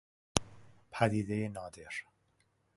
پدیدهی نادر